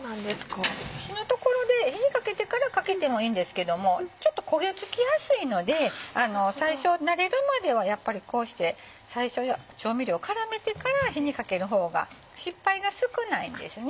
火の所で火にかけてからかけてもいいんですけどもちょっと焦げ付きやすいので最初慣れるまではやっぱりこうして最初調味料絡めてから火にかける方が失敗が少ないんですね。